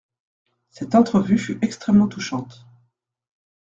Cette entrevue fut extrêmement touchante.